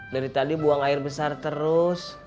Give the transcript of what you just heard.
dari tadi buang air besar terus